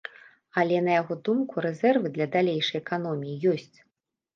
Але, на яго думку рэзервы для далейшай эканоміі ёсць.